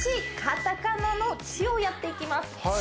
カタカナのチをやっていきます